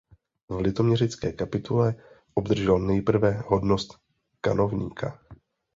V litoměřické kapitule obdržel nejprve hodnost kanovníka.